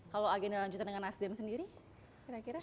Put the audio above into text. kalau agenda lanjutan dengan nasdem sendiri kira kira